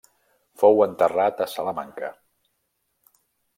Fou enterrat a Salamanca.